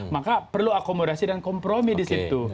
maka perlu akomodasi dan kompromi di situ